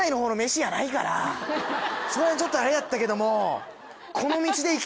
それはちょっとあれやったけども。